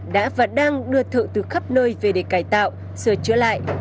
đã và đang đưa thợ từ khắp nơi về để cải tạo sửa chữa lại